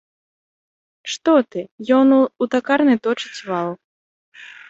Што ты, ён у такарнай точыць вал.